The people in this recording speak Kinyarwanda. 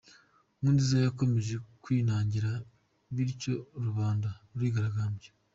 Nkurunziza yakomeje kwinangira, bityo rubanda rurigaragambya.